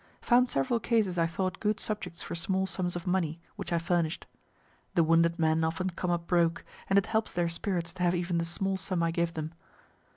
Found several cases I thought good subjects for small sums of money, which I furnish'd. (The wounded men often come up broke, and it helps their spirits to have even the small sum I give them.)